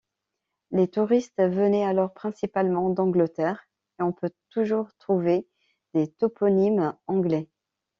Les touristes venaient alors principalement d'Angleterre, et on peut toujours trouver des toponymes Anglais.